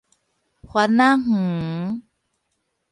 番仔園